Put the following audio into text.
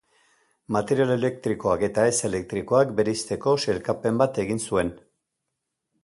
Material elektrikoak eta ez-elektrikoak bereizteko sailkapen bat egin zuen.